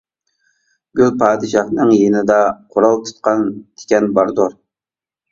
گۈل پادىشاھىنىڭ يېنىدا قورال تۇتقان تىكەن باردۇر.